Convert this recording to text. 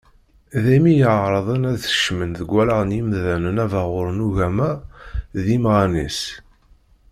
Daymi i εerrḍen ad skecmen deg wallaɣ n yimdanen abaɣur n ugama d yimɣan-is.